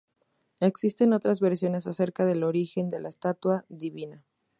Existen otras versiones acerca del origen de la estatua divina.